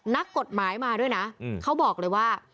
นักกฎหมายมาด้วยนะเขาบอกเลยว่า